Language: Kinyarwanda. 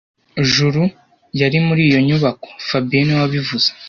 Juru yari muri iyo nyubako fabien niwe wabivuze